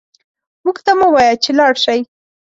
موږ ته مه وايه چې لاړ شئ